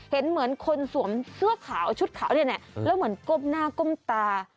เห็นเหมือนคนสวมเสื้อขาวชุดขาวเนี่ยแล้วเหมือนก้มหน้าก้มตา